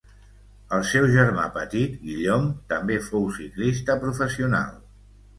El seu germà petit Guillaume també fou ciclista professional.